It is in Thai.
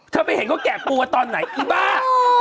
เธอไปเห็นเขาแกะปูวะตอนไหนอีบ้า